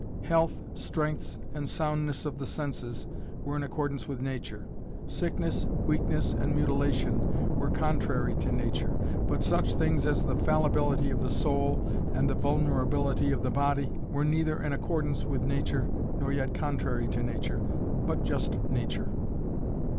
Health, strengths and soundness of the senses were in accordance with nature; sickness weakness and mutilation were contrary to nature, but such things as the fallibility of the soul and the vulnerability of the body were neither in accordance with nature nor yet contrary to nature, but just nature.